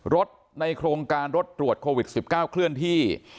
รถในโครงการรถตรวจโควิด๑๙เคลื่อนที่